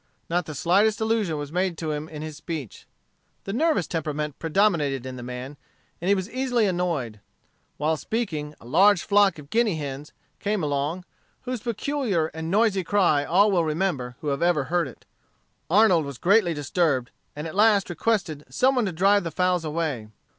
Not the slightest allusion was made to him in his speech. The nervous temperament predominated in the man, and he was easily annoyed. While speaking, a large flock of guinea hens came along, whose peculiar and noisy cry all will remember who have ever heard it. Arnold was greatly disturbed, and at last requested some one to drive the fowls away.